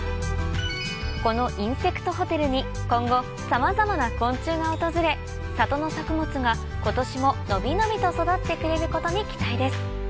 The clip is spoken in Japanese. このインセクトホテルに今後さまざまな昆虫が訪れ里の作物が今年も伸び伸びと育ってくれることに期待です